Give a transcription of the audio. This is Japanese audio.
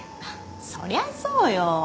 そりゃそうよ